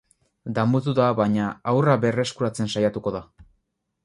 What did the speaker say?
Damututa, baina, haurra berreskuratzen saiatuko da.